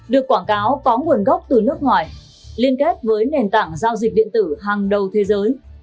được quảng cáo có nguồn gốc từ nước ngoài liên kết với nền tảng giao dịch điện tử hàng đầu thế giới